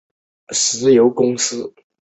它们也侦察过以色列的核设施。